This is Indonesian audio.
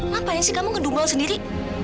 ngapain sih kamu ngedumbau sendiri